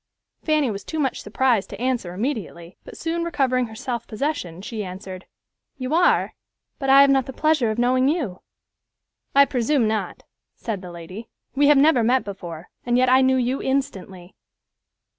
Fanny was too much surprised to answer immediately, but soon recovering her self possession, she answered, "You are, but I have not the pleasure of knowing you." "I presume not," said the lady. "We have never met before, and yet I knew you instantly."